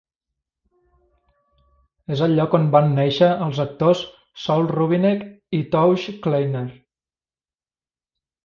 És el lloc on van nàixer els actors Saul Rubinek i Towje Kleiner.